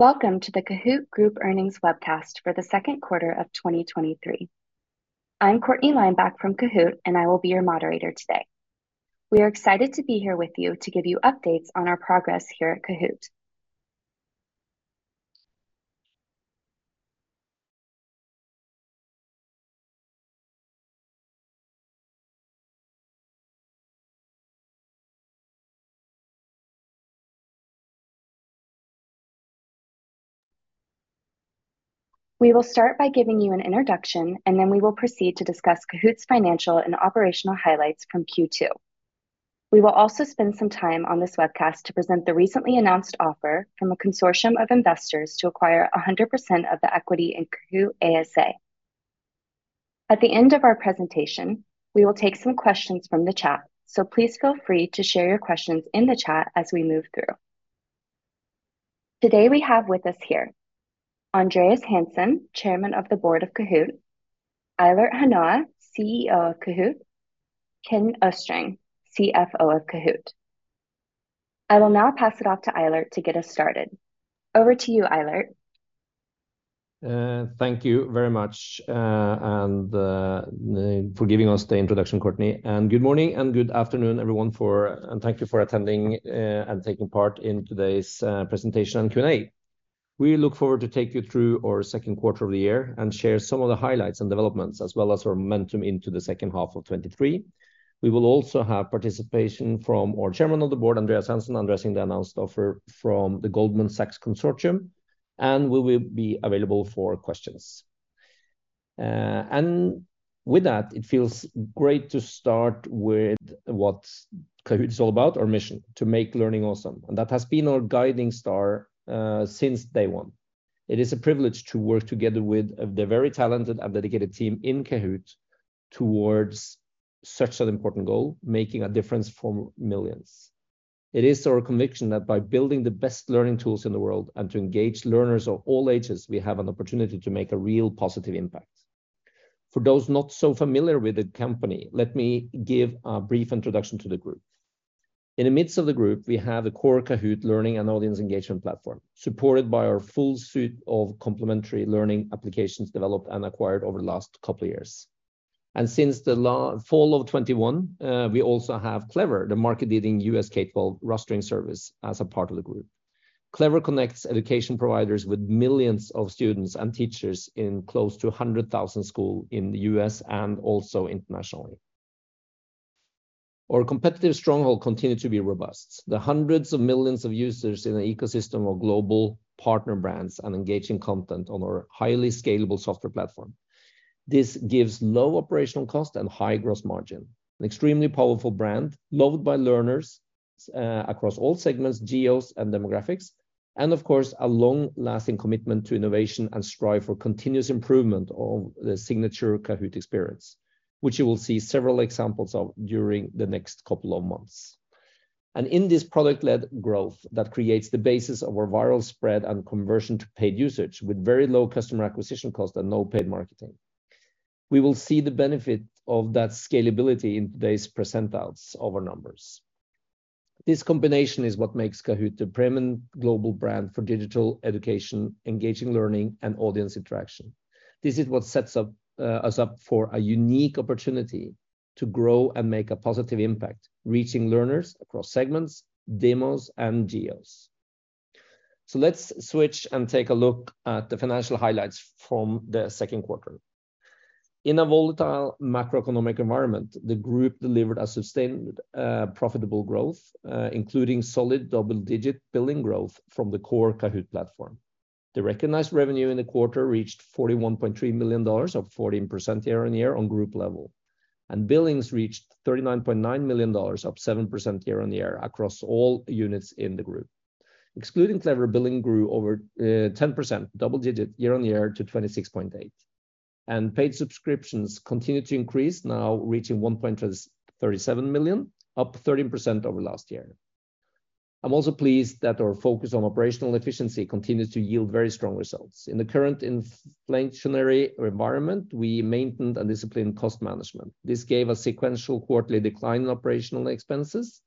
Welcome to the Kahoot! Group Earnings Webcast for the second quarter of 2023. I'm Courtney Lineback from Kahoot!, I will be your moderator today. We are excited to be here with you to give you updates on our progress here at Kahoot! We will start by giving you an introduction, then we will proceed to discuss Kahoot!'s financial and operational highlights from Q2. We will also spend some time on this webcast to present the recently announced offer from a consortium of investors to acquire 100% of the equity in Kahoot! ASA. At the end of our presentation, we will take some questions from the chat, please feel free to share your questions in the chat as we move through. Today we have with us here Andreas Hansson, Chairman of the Board of Kahoot!, Eilert Hanoa, CEO of Kahoot!, Ken Østreng, CFO of Kahoot! I will now pass it off to Eilert to get us started. Over to you, Eilert. Thank you very much, and for giving us the introduction, Courtney, and good morning and good afternoon, everyone, and thank you for attending and taking part in today's presentation and Q&A. We look forward to take you through our second quarter of the year and share some of the highlights and developments, as well as our momentum into the second half of 2023. We will also have participation from our Chairman of the Board, Andreas Hansson, addressing the announced offer from the Goldman Sachs Consortium, and we will be available for questions. With that, it feels great to start with what Kahoot! is all about, our mission: to make learning awesome. That has been our guiding star since day one. It is a privilege to work together with the very talented and dedicated team in Kahoot! towards such an important goal, making a difference for millions. It is our conviction that by building the best learning tools in the world and to engage learners of all ages, we have an opportunity to make a real positive impact. For those not so familiar with the company, let me give a brief introduction to the group. In the midst of the group, we have the core Kahoot! learning and audience engagement platform, supported by our full suite of complimentary learning applications developed and acquired over the last couple of years. Since the fall of 2021, we also have Clever, the market-leading U.S. K-12 rostering service, as a part of the group. Clever connects education providers with millions of students and teachers in close to 100,000 school in the U.S. and also internationally. Our competitive stronghold continued to be robust. The hundreds of millions of users in the ecosystem of global partner brands and engaging content on our highly scalable software platform. This gives low operational cost and high gross margin, an extremely powerful brand, loved by learners, across all segments, geos, and demographics, and of course, a long-lasting commitment to innovation and strive for continuous improvement of the signature Kahoot! experience, which you will see several examples of during the next couple of months. In this product-led growth that creates the basis of our viral spread and conversion to paid usage with very low customer acquisition cost and no paid marketing. We will see the benefit of that scalability in today's percentiles of our numbers. This combination is what makes Kahoot! the premium global brand for digital education, engaging learning, and audience interaction. This is what sets us up for a unique opportunity to grow and make a positive impact, reaching learners across segments, demos, and geos. Let's switch and take a look at the financial highlights from the second quarter. In a volatile macroeconomic environment, the group delivered a sustained profitable growth, including solid double-digit billing growth from the core Kahoot! platform. The recognized revenue in the quarter reached $41.3 million, up 14% year-on-year on group level, and billings reached $39.9 million, up 7% year-on-year across all units in the group. Excluding Clever, billing grew over 10%, double digit, year-on-year to $26.8 million, and paid subscriptions continued to increase, now reaching 1.37 million, up 13% over last year. I'm also pleased that our focus on operational efficiency continues to yield very strong results. In the current inflationary environment, we maintained a disciplined cost management. This gave a sequential quarterly decline in operational expenses,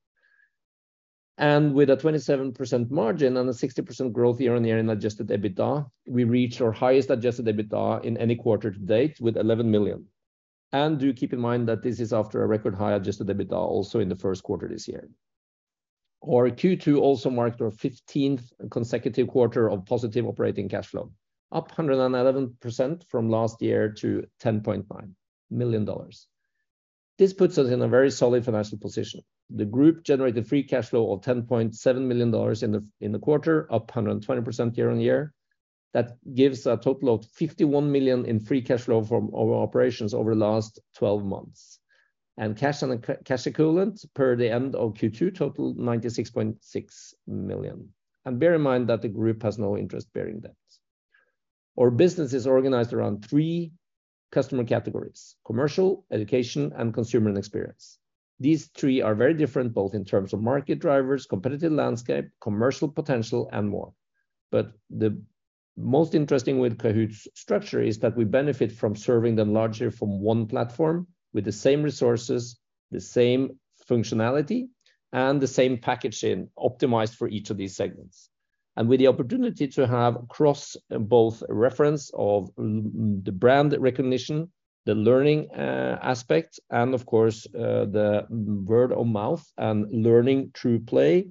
and with a 27% margin and a 60% growth year-on-year in Adjusted EBITDA, we reached our highest Adjusted EBITDA in any quarter to date with $11 million. Do keep in mind that this is after a record-high Adjusted EBITDA also in the first quarter this year. Our Q2 also marked our 15th consecutive quarter of positive operating cash flow, up 111% from last year to $10.9 million. This puts us in a very solid financial position. The group generated free cash flow of $10.7 million in the quarter, up 120% year-on-year. That gives a total of $51 million in free cash flow from our operations over the last 12 months. Cash and cash equivalent per the end of Q2 total, $96.6 million. Bear in mind that the group has no interest-bearing debt. Our business is organized around 3 customer categories: commercial, education, and consumer and experience. These 3 are very different, both in terms of market drivers, competitive landscape, commercial potential, and more. Most interesting with Kahoot!'s structure is that we benefit from serving them larger from one platform with the same resources, the same functionality, and the same packaging optimized for each of these segments. With the opportunity to have cross both reference of the brand recognition, the learning, aspect, and of course, the word of mouth and learning through play.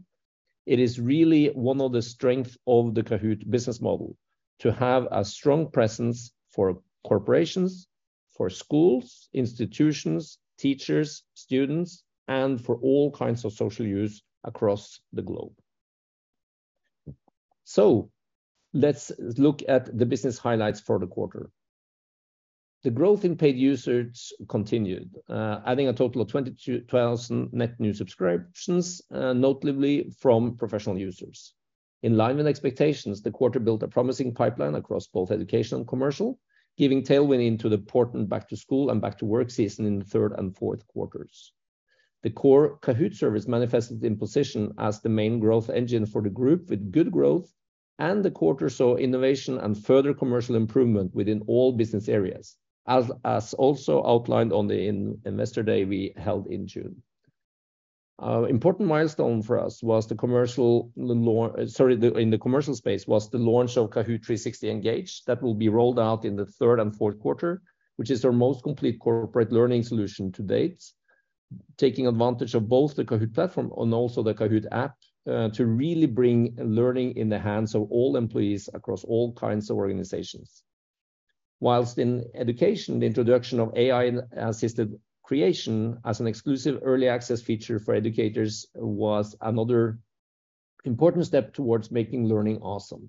It is really one of the strength of the Kahoot! business model, to have a strong presence for corporations, for schools, institutions, teachers, students, and for all kinds of social use across the globe. Let's look at the business highlights for the quarter. The growth in paid users continued, adding a total of 12,000 net new subscriptions, notably from professional users. In line with expectations, the quarter built a promising pipeline across both education and commercial, giving tailwind into the important back to school and back to work season in the third and fourth quarters. The core Kahoot! service manifested in position as the main growth engine for the group, with good growth, and the quarter saw innovation and further commercial improvement within all business areas, as also outlined on the Investor Day we held in June. important milestone for us was the commercial launch- sorry, the, in the commercial space, was the launch of Kahoot! 360 Engage. That will be rolled out in the third and fourth quarter, which is our most complete corporate learning solution to date. Taking advantage of both the Kahoot! platform and also the Kahoot! app, to really bring learning in the hands of all employees across all kinds of organizations. Whilst in education, the introduction of AI-assisted creation as an exclusive early access feature for educators was another important step towards making learning awesome.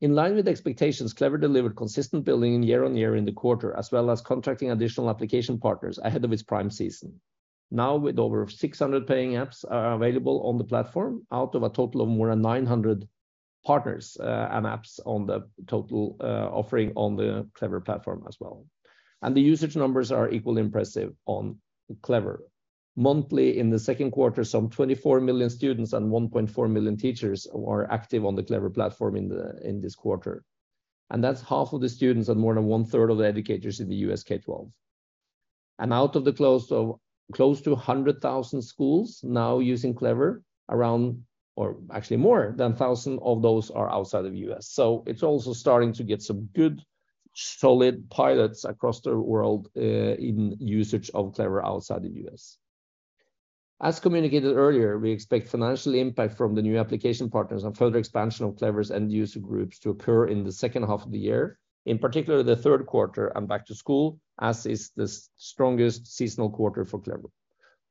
In line with expectations, Clever delivered consistent billing year-on-year in the quarter, as well as contracting additional application partners ahead of its prime season. Now, with over 600 paying apps are available on the platform, out of a total of more than 900 partners, and apps on the total offering on the Clever platform as well. The usage numbers are equally impressive on Clever. Monthly, in the second quarter, some 24 million students and 1.4 million teachers are active on the Clever platform in this quarter, and that's half of the students and more than one third of the educators in the U.S. K-12. Out of the close to, close to 100,000 schools now using Clever, around, or actually more than 1,000 of those are outside of U.S. It's also starting to get some good, solid pilots across the world, in usage of Clever outside the U.S. As communicated earlier, we expect financial impact from the new application partners on further expansion of Clever's end user groups to occur in the second half of the year, in particular, the third quarter and back to school, as is the strongest seasonal quarter for Clever.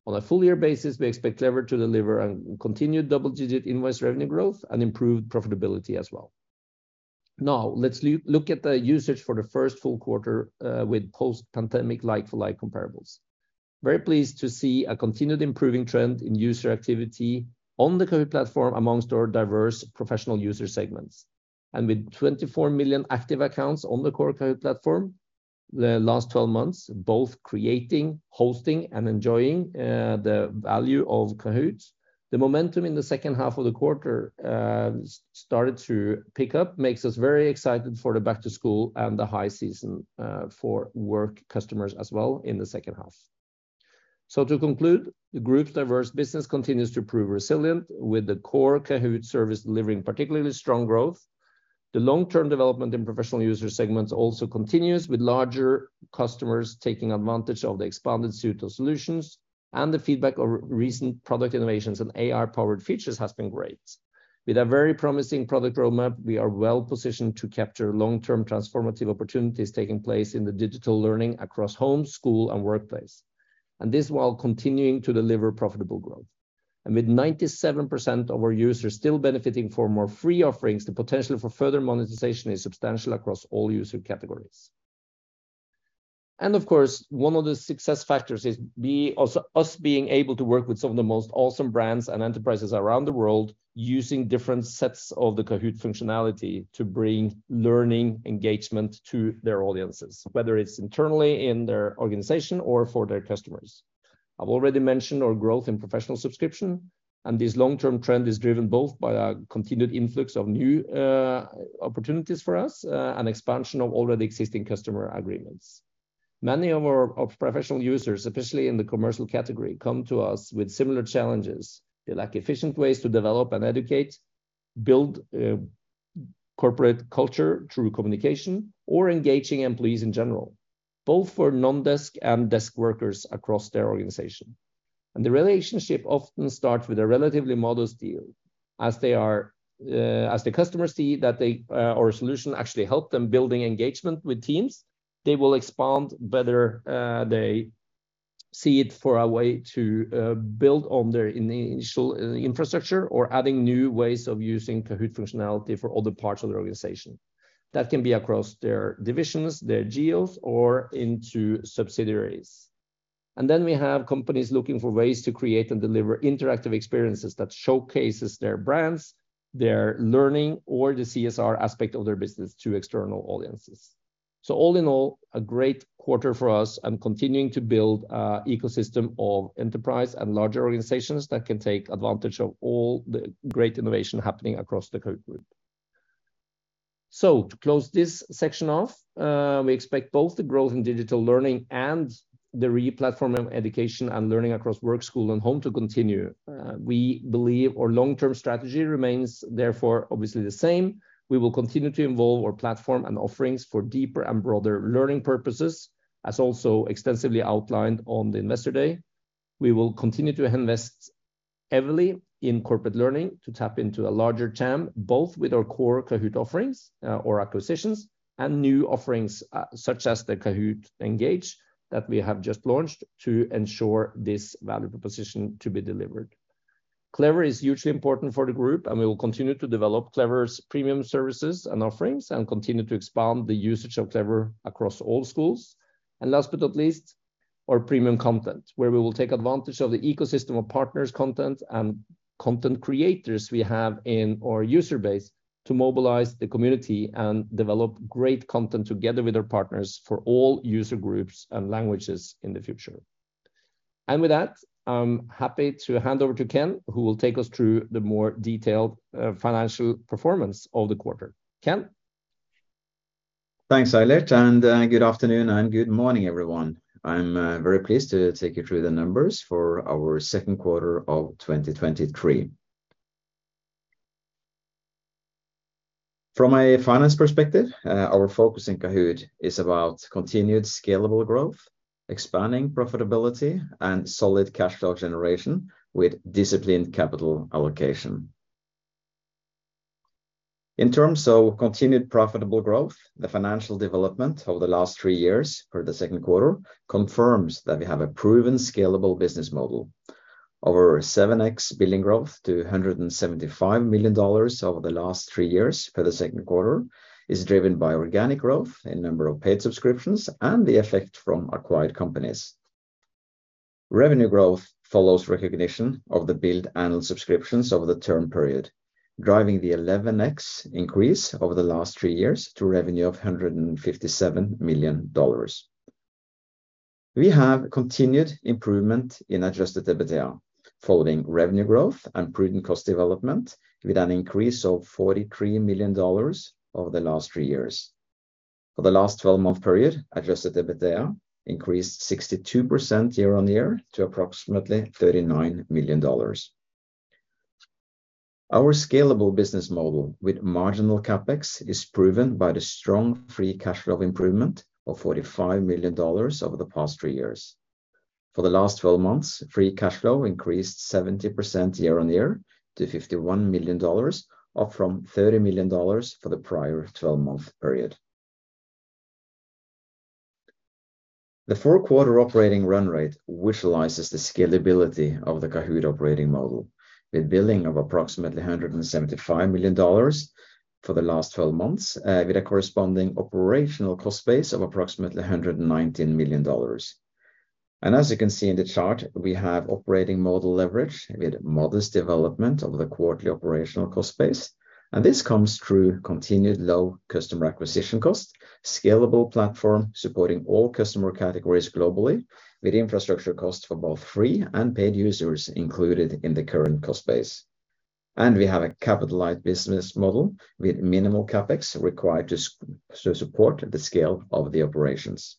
On a full year basis, we expect Clever to deliver a continued double-digit invoice revenue growth and improved profitability as well. Now, let's look at the usage for the first full quarter with post-pandemic like-for-like comparables. Very pleased to see a continued improving trend in user activity on the Kahoot! platform amongst our diverse professional user segments, and with 24 million active accounts on the core Kahoot! platform, the last twelve months, both creating, hosting, and enjoying, the value of Kahoot!. The momentum in the second half of the quarter started to pick up, makes us very excited for the back to school and the high season for work customers as well in the second half. To conclude, the group's diverse business continues to prove resilient, with the core Kahoot! service delivering particularly strong growth. The long-term development in professional user segments also continues, with larger customers taking advantage of the expanded suite of solutions, and the feedback of recent product innovations and AI-powered features has been great. With a very promising product roadmap, we are well positioned to capture long-term transformative opportunities taking place in the digital learning across home, school, and workplace, and this while continuing to deliver profitable growth. With 97% of our users still benefiting from more free offerings, the potential for further monetization is substantial across all user categories. Of course, one of the success factors is us, us being able to work with some of the most awesome brands and enterprises around the world, using different sets of the Kahoot! functionality to bring learning engagement to their audiences, whether it's internally in their organization or for their customers. I've already mentioned our growth in professional subscription, and this long-term trend is driven both by our continued influx of new opportunities for us and expansion of already existing customer agreements. Many of our, of professional users, especially in the commercial category, come to us with similar challenges. They lack efficient ways to develop and educate, build, corporate culture through communication, or engaging employees in general, both for non-desk and desk workers across their organization. The relationship often starts with a relatively modest deal, as they are, as the customers see that they, our solution actually help them building engagement with teams, they will expand, whether, they see it for a way to, build on their initial infrastructure or adding new ways of using Kahoot! functionality for other parts of their organization. That can be across their divisions, their geos, or into subsidiaries. We have companies looking for ways to create and deliver interactive experiences that showcases their brands, their learning, or the CSR aspect of their business to external audiences. All in all, a great quarter for us and continuing to build ecosystem of enterprise and larger organizations that can take advantage of all the great innovation happening across the Kahoot! Group. To close this section off, we expect both the growth in digital learning and the re-platforming of education and learning across work, school, and home to continue. We believe our long-term strategy remains therefore obviously the same. We will continue to involve our platform and offerings for deeper and broader learning purposes, as also extensively outlined on the Investor Day. We will continue to invest heavily in corporate learning to tap into a larger TAM, both with our core Kahoot! offerings, or acquisitions, and new offerings, such as the Kahoot! Engage that we have just launched to ensure this value proposition to be delivered. Clever is hugely important for the group, and we will continue to develop Clever's premium services and offerings, and continue to expand the usage of Clever across all schools. Last but not least, our premium content, where we will take advantage of the ecosystem of partners content and content creators we have in our user base to mobilize the community and develop great content together with our partners for all user groups and languages in the future. With that, I'm happy to hand over to Ken, who will take us through the more detailed financial performance of the quarter. Ken? Thanks, Eilert, good afternoon, and good morning, everyone. I'm very pleased to take you through the numbers for our second quarter of 2023. From a finance perspective, our focus in Kahoot! is about continued scalable growth, expanding profitability, and solid cash flow generation with disciplined capital allocation. In terms of continued profitable growth, the financial development over the last three years for the second quarter confirms that we have a proven scalable business model. Our 7x billing growth to $175 million over the last three years for the second quarter, is driven by organic growth in number of paid subscriptions and the effect from acquired companies. Revenue growth follows recognition of the build annual subscriptions over the term period, driving the 11x increase over the last three years to revenue of $157 million. We have continued improvement in Adjusted EBITDA, following revenue growth and prudent cost development, with an increase of $43 million over the last three years. For the last twelve-month period, Adjusted EBITDA increased 62% year-on-year to approximately $39 million. Our scalable business model, with marginal CapEx, is proven by the strong Free cash flow improvement of $45 million over the past three years. For the last twelve months, Free cash flow increased 70% year-on-year to $51 million, up from $30 million for the prior twelve-month period. The four-quarter operating run rate visualizes the scalability of the Kahoot! operating model, with billing of approximately $175 million for the last twelve months, with a corresponding operational cost base of approximately $119 million. As you can see in the chart, we have operating model leverage with modest development over the quarterly operational cost base, and this comes through continued low customer acquisition cost, scalable platform supporting all customer categories globally, with infrastructure costs for both free and paid users included in the current cost base. We have a capitalized business model with minimal CapEx required to support the scale of the operations.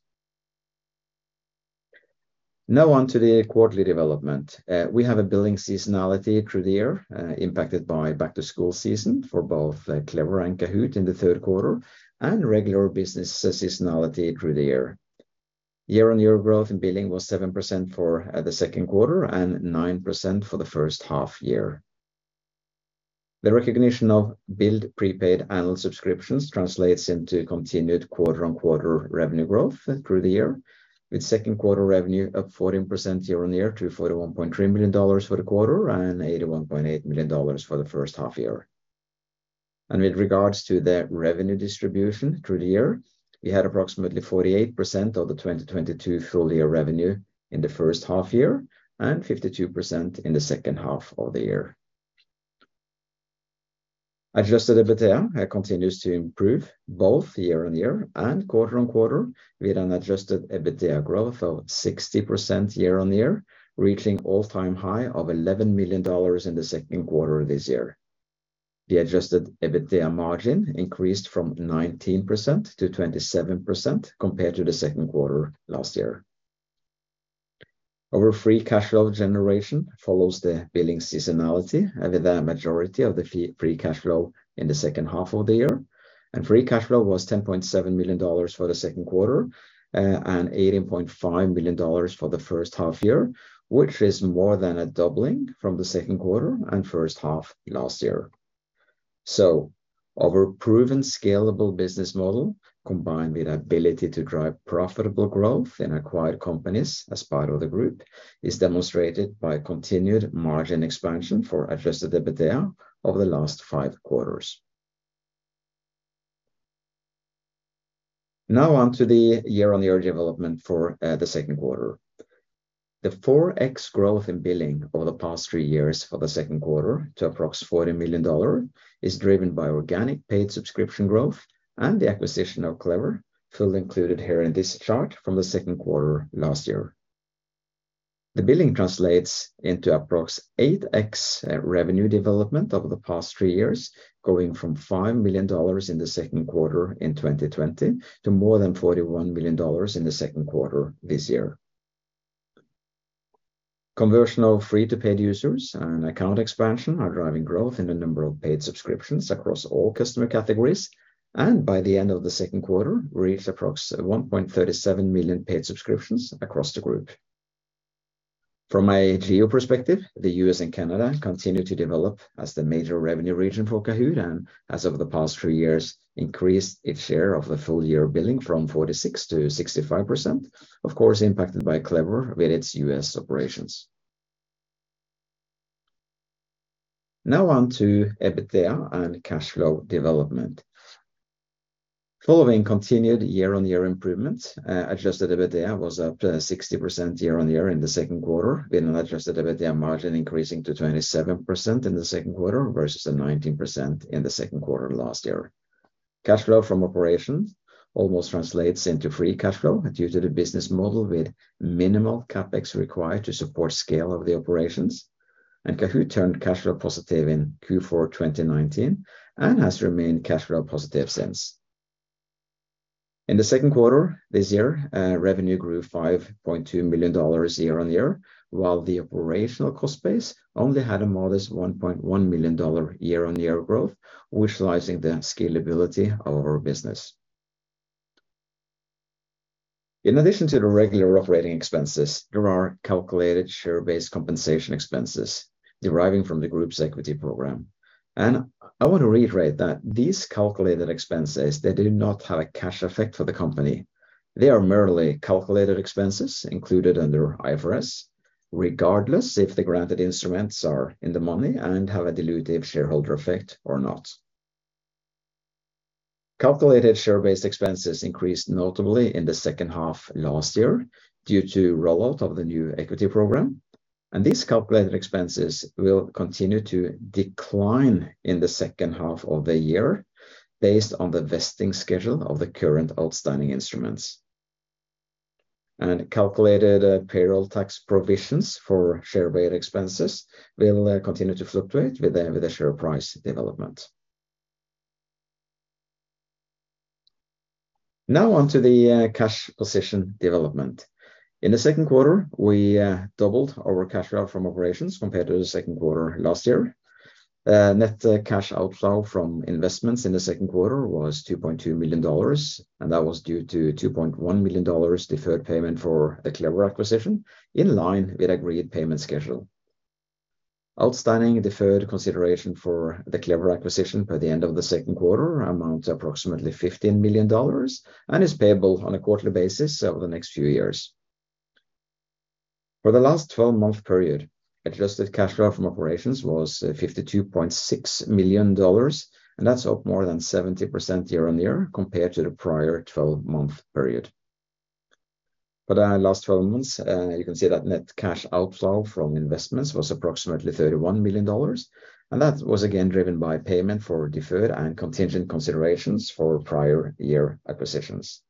Now on to the quarterly development. We have a billing seasonality through the year, impacted by back to school season for both Clever and Kahoot! in the third quarter, and regular business seasonality through the year. Year-on-year growth in billing was 7% for the second quarter and 9% for the first half year. The recognition of billed prepaid annual subscriptions translates into continued quarter-on-quarter revenue growth through the year, with second quarter revenue up 14% year-on-year to $41.3 million for the quarter, and $81.8 million for the first half year. With regards to the revenue distribution through the year, we had approximately 48% of the 2022 full year revenue in the first half year, and 52% in the second half of the year. Adjusted EBITDA continues to improve both year-on-year and quarter-on-quarter, with an Adjusted EBITDA growth of 60% year-on-year, reaching all-time high of $11 million in the second quarter this year. The Adjusted EBITDA margin increased from 19% to 27%, compared to the second quarter last year. Our free cash flow generation follows the billing seasonality, and with the majority of the free cash flow in the second half of the year. Free cash flow was $10.7 million for the second quarter, and $18.5 million for the first half year, which is more than a doubling from the second quarter and first half last year. Our proven scalable business model, combined with ability to drive profitable growth in acquired companies as part of the group, is demonstrated by continued margin expansion for Adjusted EBITDA over the last five quarters. On to the year-on-year development for, the second quarter. The 4x growth in billing over the past three years for the second quarter to approx $40 million is driven by organic paid subscription growth and the acquisition of Clever, fully included here in this chart from the second quarter last year. The billing translates into approx 8x revenue development over the past three years, going from $5 million in the second quarter in 2020 to more than $41 million in the second quarter this year. Conversion of free to paid users and account expansion are driving growth in the number of paid subscriptions across all customer categories, and by the end of the second quarter, we reached approx 1.37 million paid subscriptions across the group. From a geo perspective, the U.S. and Canada continue to develop as the major revenue region for Kahoot!, and as of the past three years, increased its share of the full year billing from 46% to 65%. Of course, impacted by Clever with its US operations. On to EBITDA and cash flow development. Following continued year-on-year improvement, adjusted EBITDA was up 60% year-on-year in the second quarter, with an adjusted EBITDA margin increasing to 27% in the second quarter versus the 19% in the second quarter last year. Cash flow from operations almost translates into free cash flow due to the business model, with minimal CapEx required to support scale of the operations. Kahoot! turned cash flow positive in Q4 2019 and has remained cash flow positive since. In the second quarter this year, revenue grew $5.2 million year-on-year, while the operational cost base only had a modest $1.1 million year-on-year growth, which lies in the scalability of our business. In addition to the regular operating expenses, there are calculated Share-based compensation expenses deriving from the group's equity program. I want to reiterate that these calculated expenses, they do not have a cash effect for the company. They are merely calculated expenses included under IFRS, regardless if the granted instruments are in the money and have a dilutive shareholder effect or not. Calculated Share-based expenses increased notably in the second half last year due to rollout of the new equity program, and these calculated expenses will continue to decline in the second half of the year, based on the Vesting schedule of the current outstanding instruments. Calculated payroll tax provisions for share-based expenses will continue to fluctuate with the, with the share price development. Now on to the cash position development. In the second quarter, we doubled our cash flow from operations compared to the second quarter last year. Net cash outflow from investments in the second quarter was $2.2 million, and that was due to $2.1 million deferred payment for the Clever acquisition, in line with agreed payment schedule. Outstanding deferred consideration for the Clever acquisition by the end of the second quarter amounts to approximately $15 million and is payable on a quarterly basis over the next few years. For the last twelve-month period, adjusted cash flow from operations was $52.6 million, and that's up more than 70% year-over-year compared to the prior twelve-month period. For the last twelve months, you can see that net cash outflow from investments was approximately $31 million. That was again driven by payment for deferred and contingent considerations for prior year acquisitions.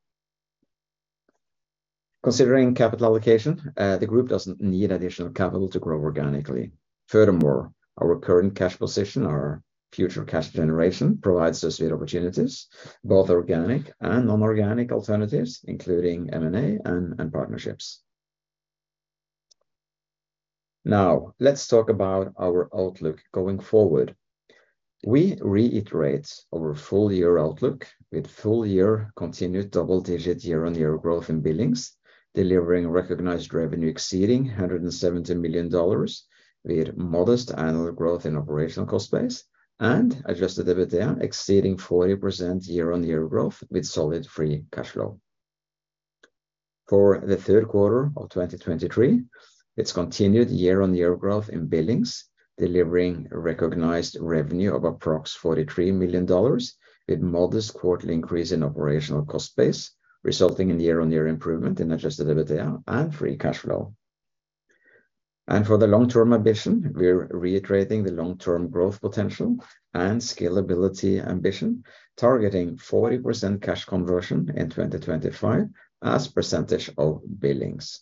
Considering capital allocation, the group doesn't need additional capital to grow organically. Furthermore, our current cash position, our future cash generation, provides us with opportunities, both organic and non-organic alternatives, including M&A and partnerships. Let's talk about our outlook going forward. We reiterate our full-year outlook with full-year continued double-digit year-on-year growth in billings, delivering recognized revenue exceeding $170 million, with modest annual growth in operational cost base and Adjusted EBITDA exceeding 40% year-on-year growth with solid free cash flow. For the third quarter of 2023, its continued year-over-year growth in billings, delivering recognized revenue of approx. $43 million, with modest quarterly increase in operational cost base, resulting in year-over-year improvement in Adjusted EBITDA and free cash flow. For the long-term ambition, we're reiterating the long-term growth potential and scalability ambition, targeting 40% cash conversion in 2025 as percentage of billings.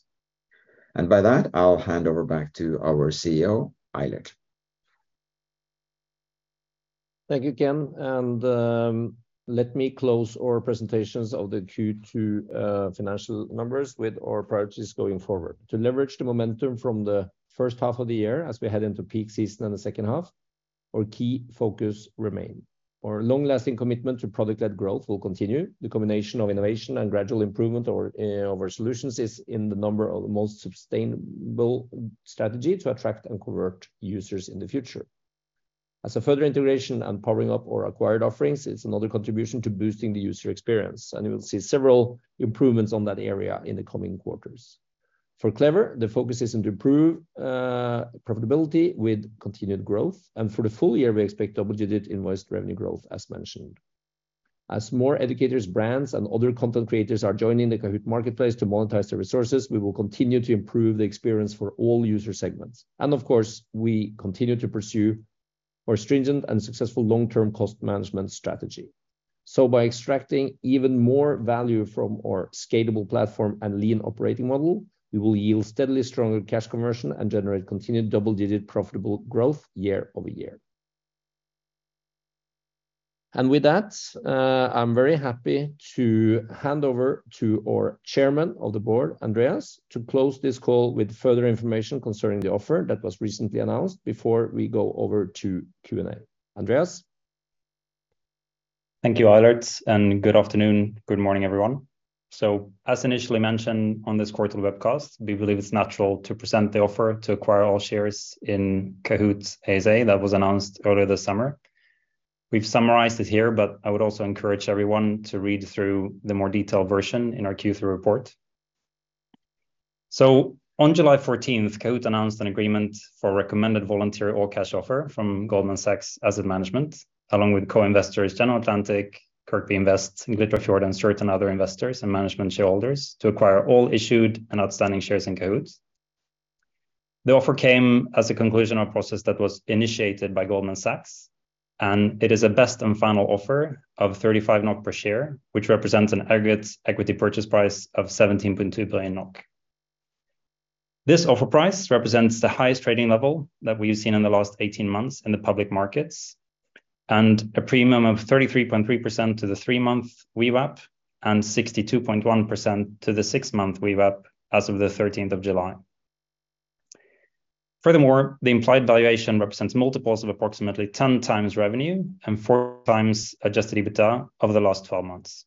By that, I'll hand over back to our CEO, Eilert. Thank you, Ken, let me close our presentations of the Q2 financial numbers with our priorities going forward. To leverage the momentum from the first half of the year as we head into peak season in the second half, our key focus remain. Our long-lasting commitment to product-led growth will continue. The combination of innovation and gradual improvement or of our solutions is in the number of the most sustainable strategy to attract and convert users in the future. As a further integration and powering up our acquired offerings, it's another contribution to boosting the user experience, and you will see several improvements on that area in the coming quarters. For Clever, the focus is to improve profitability with continued growth, for the full year, we expect double-digit invoice revenue growth, as mentioned... As more educators, brands, and other content creators are joining the Kahoot! marketplace to monetize their resources, we will continue to improve the experience for all user segments. Of course, we continue to pursue our stringent and successful long-term cost management strategy. By extracting even more value from our scalable platform and lean operating model, we will yield steadily stronger cash conversion and generate continued double-digit profitable growth year over year. With that, I'm very happy to hand over to our Chairman of the Board, Andreas, to close this call with further information concerning the offer that was recently announced before we go over to Q&A. Andreas? Thank you, Eilert. Good afternoon, good morning, everyone. As initially mentioned on this quarter webcast, we believe it's natural to present the offer to acquire all shares in Kahoot! ASA that was announced earlier this summer. We've summarized it here. I would also encourage everyone to read through the more detailed version in our Q3 report. On July 14th, Kahoot! announced an agreement for recommended voluntary all-cash offer from Goldman Sachs Asset Management, along with co-investors General Atlantic, KIRKBI Invest, Glitrafjord, and certain other investors and management shareholders to acquire all issued and outstanding shares in Kahoot! The offer came as a conclusion of process that was initiated by Goldman Sachs. It is a best and final offer of 35 NOK per share, which represents an aggregate equity purchase price of 17.2 billion NOK. This offer price represents the highest trading level that we've seen in the last 18 months in the public markets, and a premium of 33.3% to the 3-month VWAP and 62.1% to the 6-month VWAP as of the 13th of July. Furthermore, the implied valuation represents multiples of approximately 10x revenue and 4x Adjusted EBITDA over the last 12 months.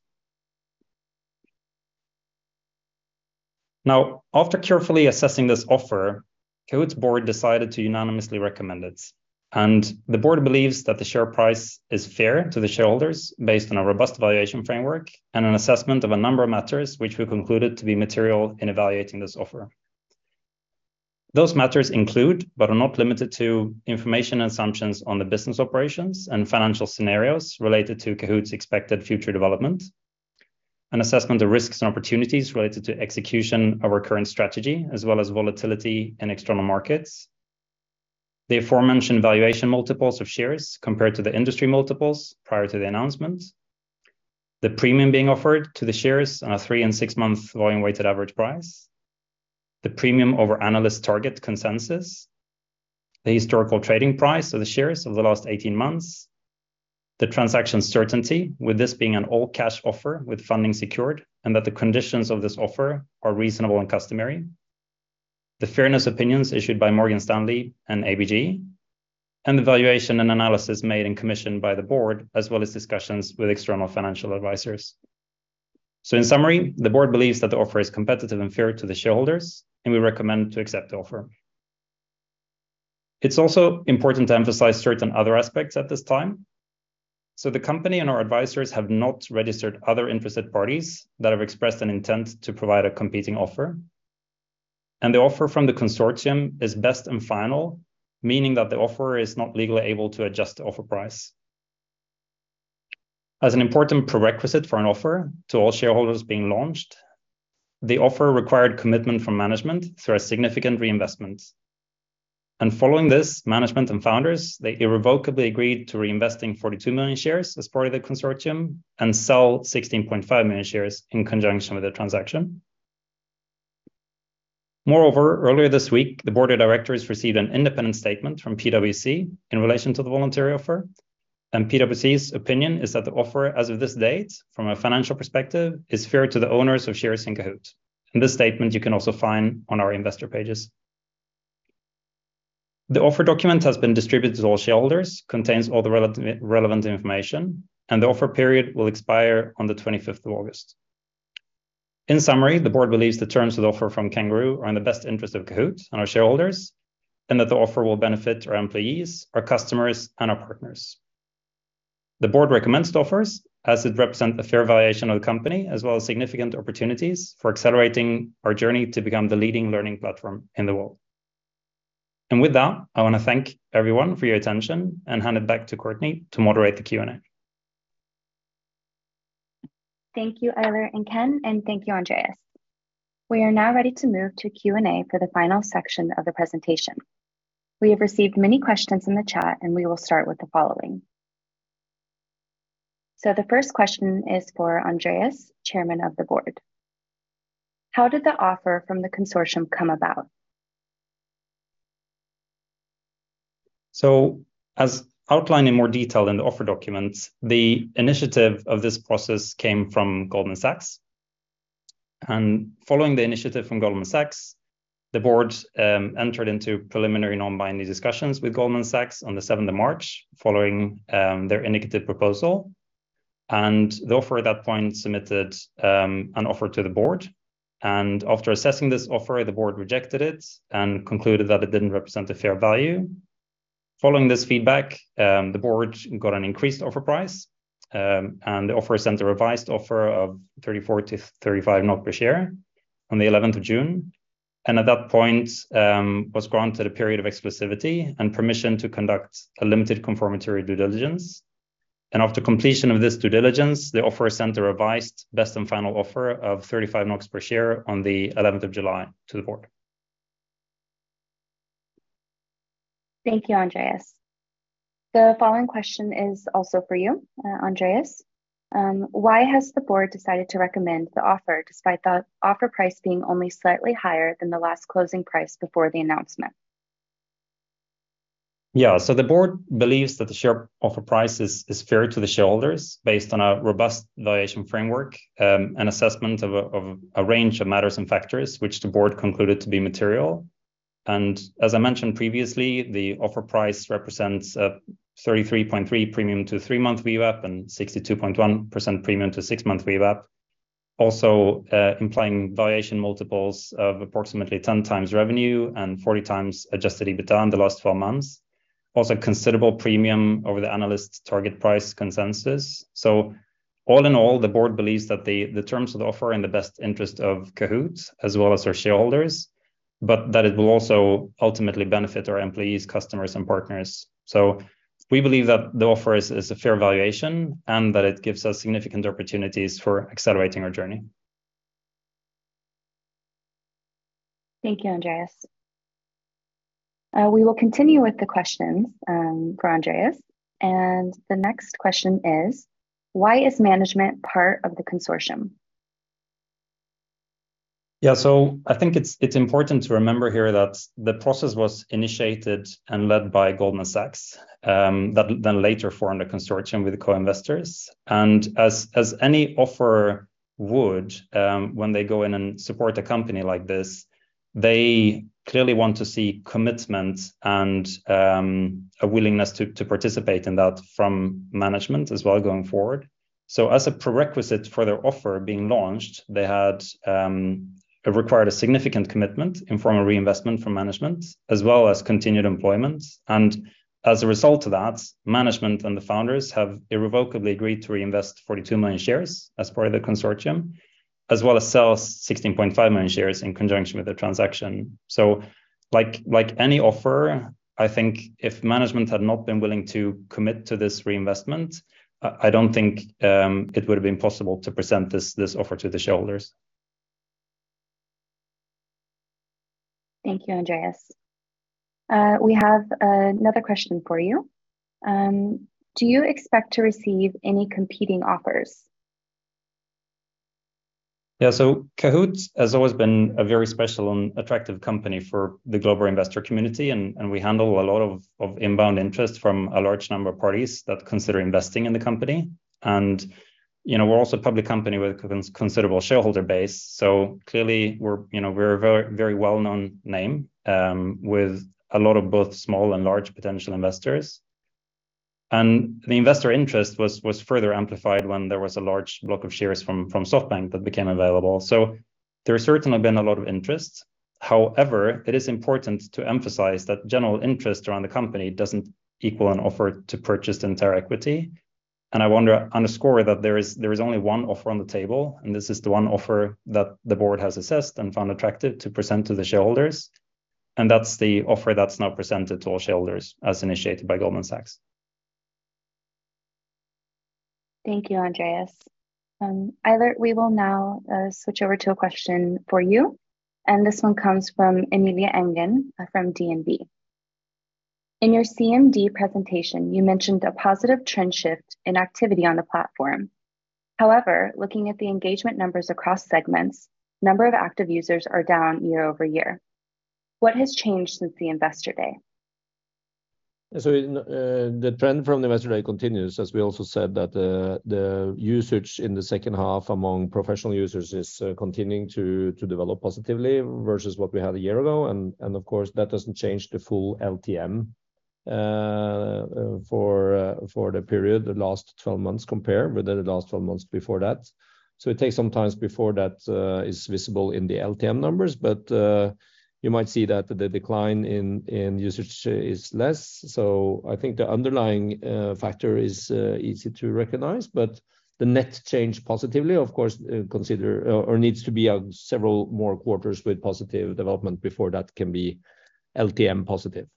After carefully assessing this offer, Kahoot!'s board decided to unanimously recommend it, and the board believes that the share price is fair to the shareholders based on a robust valuation framework and an assessment of a number of matters which we concluded to be material in evaluating this offer. Those matters include, but are not limited to, information assumptions on the business operations and financial scenarios related to Kahoot!'s expected future development; an assessment of risks and opportunities related to execution of our current strategy, as well as volatility in external markets; the aforementioned valuation multiples of shares compared to the industry multiples prior to the announcement; the premium being offered to the shares on a 3- and 6-month volume-weighted average price; the premium over analyst target consensus; the historical trading price of the shares over the last 18 months; the transaction certainty, with this being an all-cash offer with funding secured, and that the conditions of this offer are reasonable and customary; the fairness opinions issued by Morgan Stanley and ABG; and the valuation and analysis made and commissioned by the board, as well as discussions with external financial advisors. In summary, the board believes that the offer is competitive and fair to the shareholders, and we recommend to accept the offer. It's also important to emphasize certain other aspects at this time. The company and our advisors have not registered other interested parties that have expressed an intent to provide a competing offer, and the offer from the consortium is best and final, meaning that the offer is not legally able to adjust the offer price. As an important prerequisite for an offer to all shareholders being launched, the offer required commitment from management through a significant reinvestment. Following this, management and founders, they irrevocably agreed to reinvesting 42 million shares as part of the consortium and sell 16.5 million shares in conjunction with the transaction. Moreover, earlier this week, the board of directors received an independent statement from PwC in relation to the voluntary offer, and PwC's opinion is that the offer, as of this date, from a financial perspective, is fair to the owners of shares in Kahoot! This statement you can also find on our investor pages. The offer document has been distributed to all shareholders, contains all the relative, relevant information, and the offer period will expire on the 25th of August. In summary, the board believes the terms of the offer from Kangaroo are in the best interest of Kahoot! and our shareholders, and that the offer will benefit our employees, our customers, and our partners. The board recommends the offers, as it represent a fair valuation of the company, as well as significant opportunities for accelerating our journey to become the leading learning platform in the world. With that, I want to thank everyone for your attention and hand it back to Courtney to moderate the Q&A. Thank you, Eilert and Ken Østreng, and thank you, Andreas Hansson. We are now ready to move to Q&A for the final section of the presentation. We have received many questions in the chat, and we will start with the following. The first question is for Andreas Hansson, chairman of the board: How did the offer from the consortium come about? As outlined in more detail in the offer documents, the initiative of this process came from Goldman Sachs. Following the initiative from Goldman Sachs, the board entered into preliminary, non-binding discussions with Goldman Sachs on March 7, following their indicative proposal. The offer at that point submitted an offer to the board, and after assessing this offer, the board rejected it and concluded that it didn't represent a fair value. Following this feedback, the board got an increased offer price, and the offer sent a revised offer of 34-35 per share on June 11, and at that point, was granted a period of exclusivity and permission to conduct a limited confirmatory due diligence. After completion of this due diligence, the offeror sent a revised best and final offer of 35 NOK per share on the 11th of July to the board. Thank you, Andreas. The following question is also for you, Andreas. Why has the board decided to recommend the offer, despite the offer price being only slightly higher than the last closing price before the announcement? Yeah. The board believes that the share offer price is fair to the shareholders, based on a robust valuation framework, and assessment of a range of matters and factors which the board concluded to be material. As I mentioned previously, the offer price represents a 33.3 premium to 3-month VWAP and 62.1% premium to 6-month VWAP. Also, implying valuation multiples of approximately 10 times revenue and 40 times Adjusted EBITDA in the last four months. Also, considerable premium over the analyst's target price consensus. All in all, the board believes that the terms of the offer are in the best interest of Kahoot!, as well as our shareholders, that it will also ultimately benefit our employees, customers, and partners. We believe that the offer is a fair valuation, and that it gives us significant opportunities for accelerating our journey. Thank you, Andreas. We will continue with the questions, for Andreas, and the next question is: Why is management part of the consortium? Yeah. I think it's, it's important to remember here that the process was initiated and led by Goldman Sachs, that then later formed a consortium with co-investors. As, as any offeror would, when they go in and support a company like this, they clearly want to see commitment and a willingness to, to participate in that from management as well, going forward. As a prerequisite for their offer being launched, they had, it required a significant commitment in formal reinvestment from management, as well as continued employment. As a result of that, management and the founders have irrevocably agreed to reinvest 42 million shares as part of the consortium, as well as sell 16.5 million shares in conjunction with the transaction. like, like any offeror, I think if management had not been willing to commit to this reinvestment, I don't think, it would have been possible to present this, this offer to the shareholders. Thank you, Andreas. We have another question for you. Do you expect to receive any competing offers? Yeah. Kahoot! has always been a very special and attractive company for the global investor community, and, and we handle a lot of, of inbound interest from a large number of parties that consider investing in the company. you know, we're also a public company with considerable shareholder base, so clearly we're, you know, we're a very, very well-known name with a lot of both small and large potential investors. The investor interest was, was further amplified when there was a large block of shares from, from SoftBank that became available. There has certainly been a lot of interest. However, it is important to emphasize that general interest around the company doesn't equal an offer to purchase the entire equity. I want to underscore that there is, there is only one offer on the table, and this is the one offer that the board has assessed and found attractive to present to the shareholders, and that's the offer that's now presented to all shareholders, as initiated by Goldman Sachs. Thank you, Andreas. Eilert, we will now switch over to a question for you, and this one comes from Emilie Engen, from DNB. In your CMD presentation, you mentioned a positive trend shift in activity on the platform. However, looking at the engagement numbers across segments, number of active users are down year-over-year. What has changed since the Investor Day? The trend from the Investor Day continues, as we also said that the usage in the 2nd half among professional users is continuing to develop positively versus what we had a year ago. Of course, that doesn't change the full LTM for the period, the last 12 months, compared with the last 12 months before that. It takes some times before that is visible in the LTM numbers, but you might see that the decline in usage is less. I think the underlying factor is easy to recognize, but the net change positively, of course, consider or needs to be on several more quarters with positive development before that can be LTM positive.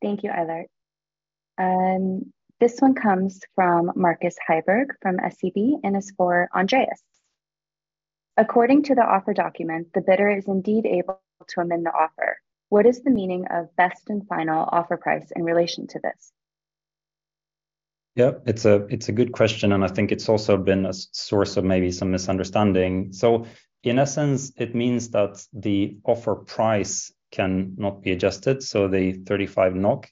Thank you, Eilert. This one comes from Marcus Heiberg, from SEB, and is for Andreas. According to the offer document, the bidder is indeed able to amend the offer. What is the meaning of best and final offer price in relation to this? Yeah, it's a, it's a good question, and I think it's also been a source of maybe some misunderstanding. In essence, it means that the offer price cannot be adjusted, so the 35 NOK.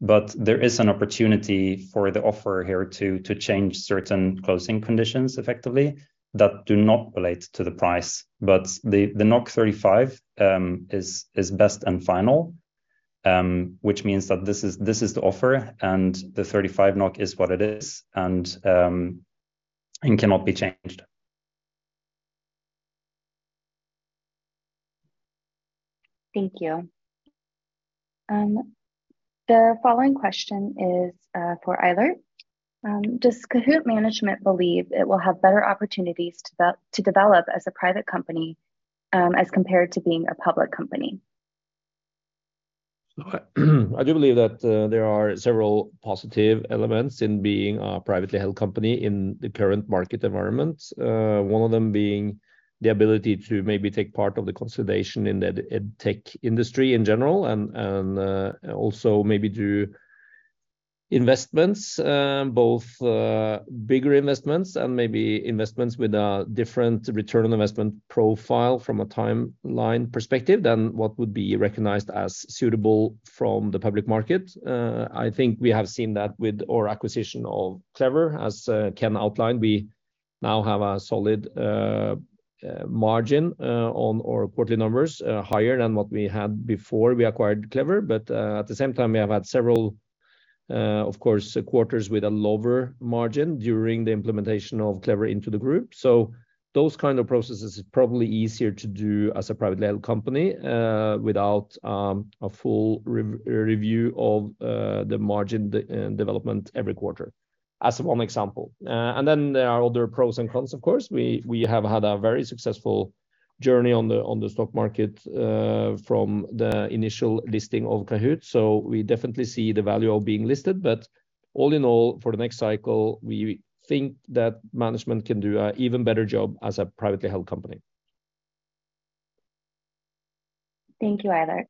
There is an opportunity for the offeror here to, to change certain closing conditions effectively, that do not relate to the price. The, the 35, is, is best and final, which means that this is, this is the offer, and the 35 NOK is what it is and, and cannot be changed. Thank you. The following question is for Eilert. Does Kahoot! management believe it will have better opportunities to develop as a private company, as compared to being a public company? I do believe that there are several positive elements in being a privately held company in the current market environment. One of them being the ability to maybe take part of the consolidation in the EdTech industry in general, and also maybe do investments, both bigger investments and maybe investments with a different return on investment profile from a timeline perspective than what would be recognized as suitable from the public market. I think we have seen that with our acquisition of Clever. As Ken outlined, we now have a solid margin on our quarterly numbers, higher than what we had before we acquired Clever. At the same time, we have had several, of course, quarters with a lower margin during the implementation of Clever into the group. Those kind of processes is probably easier to do as a privately held company, without a full review of the margin and development every quarter, as one example. Then there are other pros and cons, of course. We, we have had a very successful journey on the, on the stock market, from the initial listing of Kahoot! We definitely see the value of being listed. All in all, for the next cycle, we think that management can do an even better job as a privately held company. Thank you, Eilert.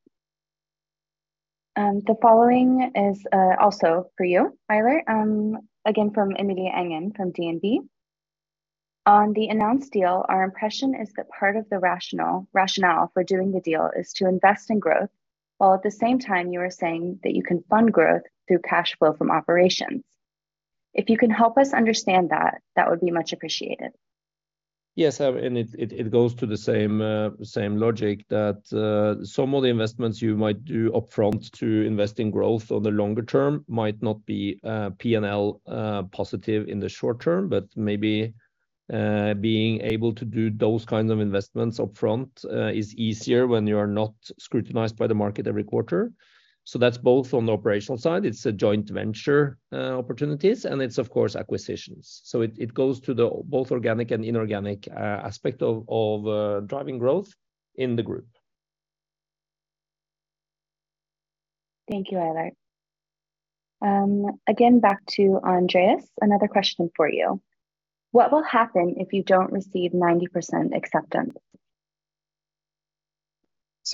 The following is also for you, Eilert. Again, fromEmilie Engen, from DNB. On the announced deal, our impression is that part of the rationale for doing the deal is to invest in growth, while at the same time you are saying that you can fund growth through cash flow from operations. If you can help us understand that, that would be much appreciated. Yes. It goes to the same, same logic that some of the investments you might do upfront to invest in growth on the longer term might not be P&L positive in the short term. Maybe, being able to do those kinds of investments upfront, is easier when you are not scrutinized by the market every quarter. That's both on the operational side, it's a joint venture, opportunities, and it's of course, acquisitions. It goes to the both organic and inorganic aspect of driving growth in the group. Thank you, Eilert. Again, back to Andreas, another question for you. What will happen if you don't receive 90% acceptance?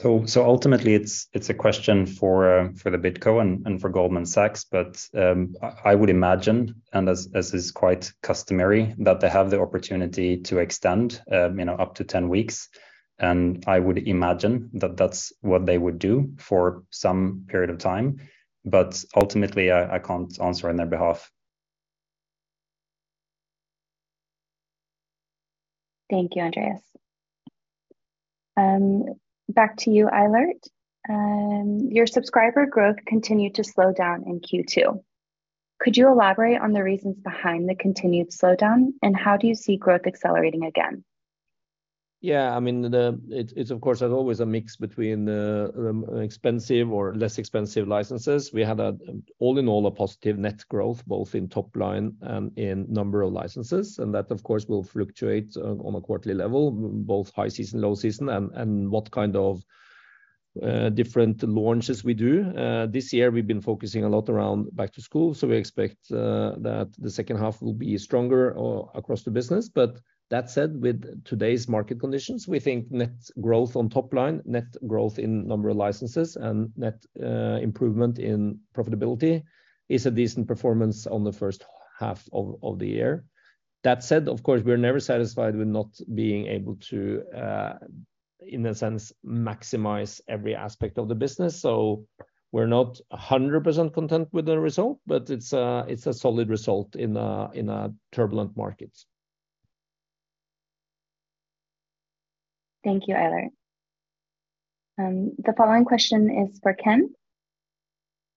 Ultimately, it's, it's a question for the BidCo and for Goldman Sachs. I, I would imagine, and as, as is quite customary, that they have the opportunity to extend, you know, up to 10 weeks. I would imagine that that's what they would do for some period of time, but ultimately, I, I can't answer on their behalf. Thank you, Andreas. Back to you, Eilert. Your subscriber growth continued to slow down in Q2. Could you elaborate on the reasons behind the continued slowdown, and how do you see growth accelerating again? I mean, it's of course, always a mix between expensive or less expensive licenses. We had, all in all, a positive net growth, both in top line and in number of licenses, and that, of course, will fluctuate on a quarterly level, both high season, low season, and what kind of different launches we do. This year we've been focusing a lot around Back-to-School, so we expect that the second half will be stronger or across the business. That said, with today's market conditions, we think net growth on top line, net growth in number of licenses, and net improvement in profitability is a decent performance on the first half of the year. That said, of course, we're never satisfied with not being able to, in a sense, maximize every aspect of the business. We're not 100% content with the result, but it's a, it's a solid result in a, in a turbulent market. Thank you, Eilert. The following question is for Ken: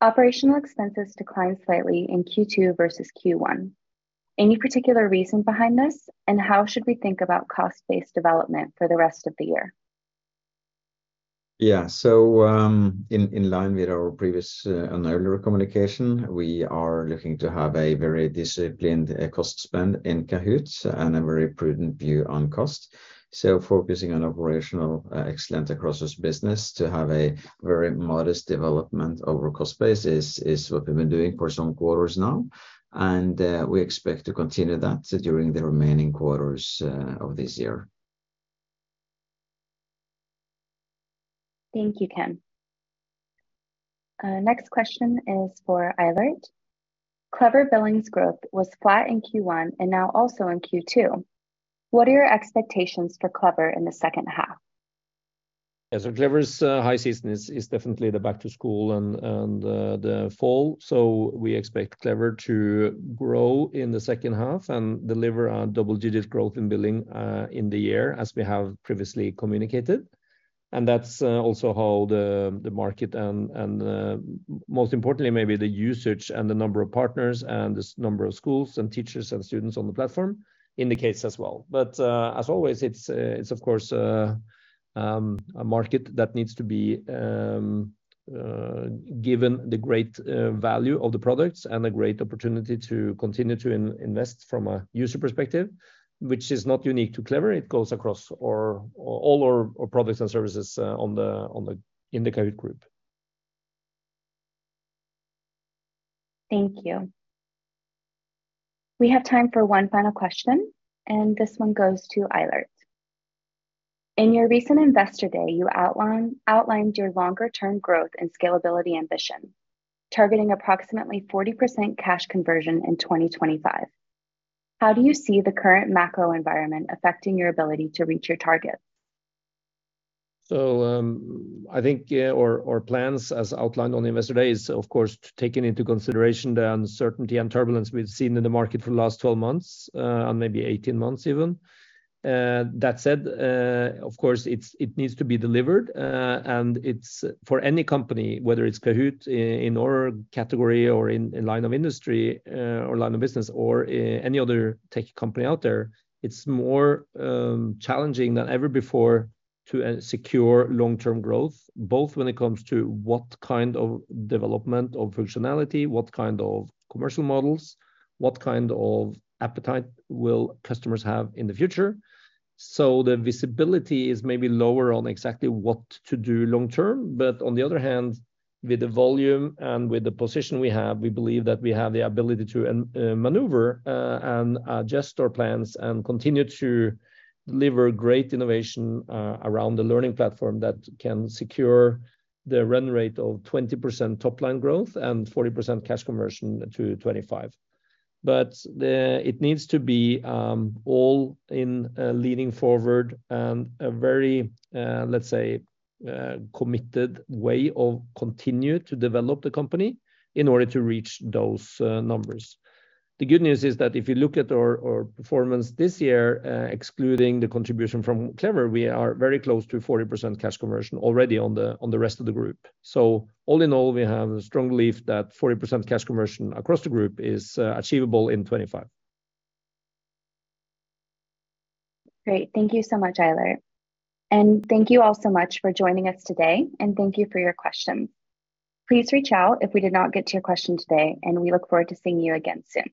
Operational expenses declined slightly in Q2 versus Q1. Any particular reason behind this, and how should we think about cost-based development for the rest of the year? Yeah. In line with our previous, and earlier communication, we are looking to have a very disciplined, cost spend in Kahoot! and a very prudent view on cost. Focusing on operational, excellence across this business to have a very modest development over cost base is what we've been doing for some quarters now, and, we expect to continue that during the remaining quarters, of this year. Thank you, Ken. Next question is for Eilert. Clever billings growth was flat in Q1 and now also in Q2. What are your expectations for Clever in the second half? Yeah, Clever's high season is, is definitely the back to school and the fall. We expect Clever to grow in the second half and deliver a double-digit growth in billing in the year, as we have previously communicated. That's also how the market and most importantly, maybe the usage and the number of partners, and the number of schools and teachers and students on the platform indicates as well. As always, it's of course a market that needs to be given the great value of the products and a great opportunity to continue to invest from a user perspective, which is not unique to Clever. It goes across all our products and services in the Kahoot! Group. Thank you. We have time for one final question, and this one goes to Eilert. In your recent Investor Day, you outlined your longer-term growth and scalability ambition, targeting approximately 40% cash conversion in 2025. How do you see the current macro environment affecting your ability to reach your targets? I think, yeah, our, our plans, as outlined on Investor Day, is of course, taking into consideration the uncertainty and turbulence we've seen in the market for the last 12 months, and maybe 18 months even. That said, of course, it's, it needs to be delivered, and it's for any company, whether it's Kahoot!, in our category or in, in line of industry, or line of business, or any other tech company out there, it's more challenging than ever before to secure long-term growth. Both when it comes to what kind of development of functionality, what kind of commercial models, what kind of appetite will customers have in the future? The visibility is maybe lower on exactly what to do long term, but on the other hand, with the volume and with the position we have, we believe that we have the ability to maneuver and adjust our plans and continue to deliver great innovation around the learning platform that can secure the run rate of 20% top-line growth and 40% cash conversion to 2025. It needs to be all in leaning forward and a very, let's say, committed way of continue to develop the company in order to reach those numbers. The good news is that if you look at our, our performance this year, excluding the contribution from Clever, we are very close to 40% cash conversion already on the rest of the group. All in all, we have a strong belief that 40% cash conversion across the group is achievable in 2025. Great. Thank you so much, Eilert, and thank you all so much for joining us today, and thank you for your questions. Please reach out if we did not get to your question today, and we look forward to seeing you again soon.